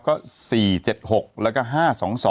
ก็๔๗๖แล้วก็๕๒๒